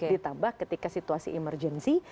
ditambah ketika situasi emergensi